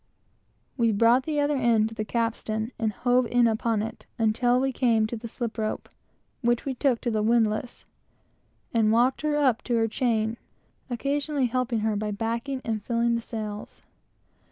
We brought the other end to the captain, and hove in upon it until we came to the slip rope, which we took to the windlass, and walked her up to her chain, the captain helping her by backing and filling the sails.